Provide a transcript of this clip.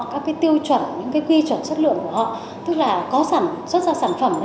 các tiêu chuẩn những cái quy chuẩn chất lượng của họ tức là có sản xuất ra sản phẩm